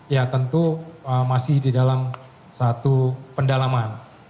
ya tentu masih di dalam satu pendalaman